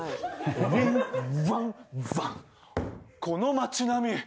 この街並み。